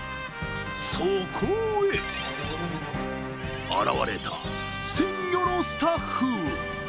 そこへ現れた鮮魚のスタッフ。